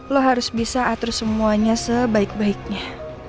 lo harus bisa atur semuanya sebaik baiknya